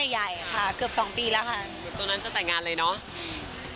หลังจากนั้นจะแต่งงานเลยนะ